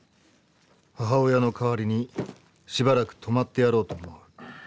母親のかわりにしばらく泊まってやろうと思う。